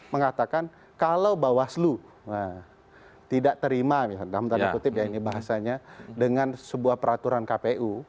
mengatakan kalau bawaslu tidak terima dengan sebuah peraturan kpu